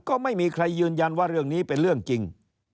ก็ไม่มีใครยืนยันว่าเรื่องนี้เป็นเรื่องจริง